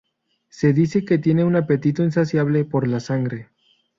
Se dice que tienen un apetito insaciable por la sangre.